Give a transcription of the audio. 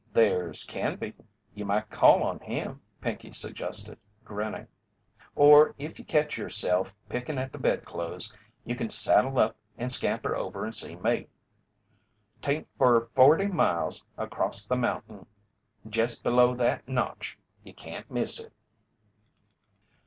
"There's Canby you might call on him," Pinkey suggested, grinning. "Or if you ketch yourself pickin' at the bed clothes you can saddle up and scamper over and see me. 'Tain't fur forty miles across the mounting. Jest below that notch you can't miss it."